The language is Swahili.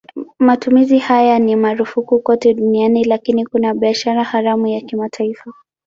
Matumizi haya ni marufuku kote duniani lakini kuna biashara haramu ya kimataifa.